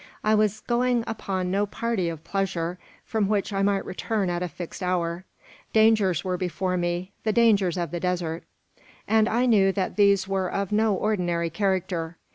I was going upon no party of pleasure, from which I might return at a fixed hour. Dangers were before me, the dangers of the desert; and I knew that these were of no ordinary character.